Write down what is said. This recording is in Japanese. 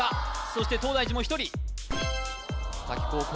そして東大寺も１人滝高校